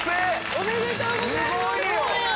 おめでとうございます！